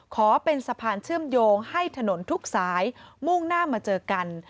ขอเป็นสะพานเชื่อมโยงให้ถนนทุกสายมุ่งหน้ามาเจอกัน